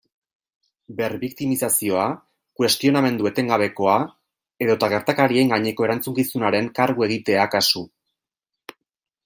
Berbiktimizazioa, kuestionamendu etengabekoa edota gertakariaren gaineko erantzukizunaren kargu egitea kasu.